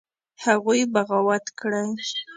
هغوى بغاوت کړى.